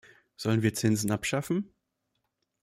Sollen wir Zinsen abschaffen?